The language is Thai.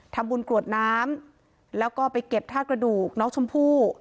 ทำบุญกรวดน้ำแล้วก็ไปเก็บทาสกระดูกน้องชมพู่